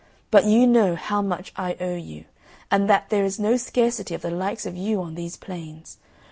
But you know how much I owe you, and that there is no scarcity of the likes of you on these plains.